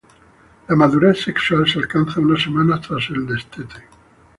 La madurez sexual se alcanza unas semanas tras el destete.